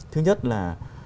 thứ nhất là